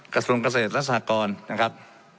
กระสุนเกษตรราศากรนะครับ